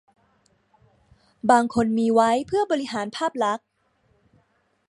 บางคนมีไว้บริหารภาพลักษณ์